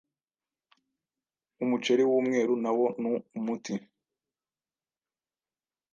Umuceri w’umweru nawo numuti